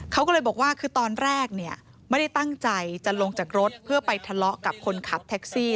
เขาก็เลยบอกว่าคือตอนแรกเนี่ยไม่ได้ตั้งใจจะลงจากรถเพื่อไปทะเลาะกับคนขับแท็กซี่